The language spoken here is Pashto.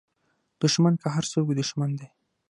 دوښمن که هر څوک وي دوښمن دی